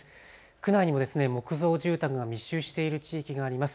区内にも木造住宅が密集している地域があります。